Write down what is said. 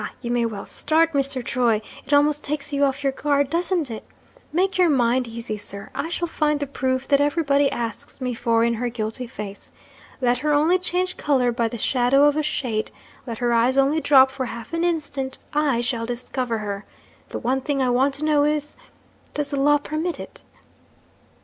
you may well start, Mr. Troy! It almost takes you off your guard, doesn't it? Make your mind easy, sir; I shall find the proof that everybody asks me for in her guilty face. Let her only change colour by the shadow of a shade let her eyes only drop for half an instant I shall discover her! The one thing I want to know is, does the law permit it?'